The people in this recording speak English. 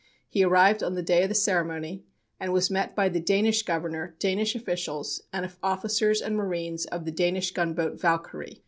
He arrived on the day of the ceremony, and was met by the Danish governor, Danish officials, and officers and marines of the Danish gunboat Valkyrie.